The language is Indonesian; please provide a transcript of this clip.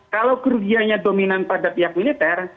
kalau kerugiannya dominan pada pihak militer